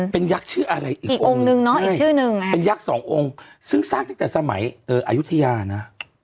เป็นยักษ์ชื่ออะไรอีกองค์นึงเนาะอีกชื่อนึงเป็นยักษ์สององค์ซึ่งสร้างตั้งแต่สมัยอายุทยานะ